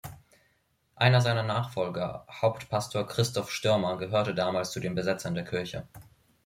Einer seiner Nachfolger Hauptpastor Christoph Störmer gehörte damals zu den Besetzern der Kirche.